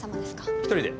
１人で。